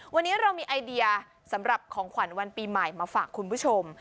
วันนี้เรามีไอเดียสำหรับของขวัญวันปีใหม่มาฝากคุณผู้ชม